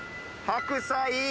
白菜。